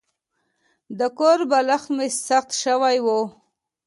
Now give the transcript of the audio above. د کور بالښت مې سخت شوی و.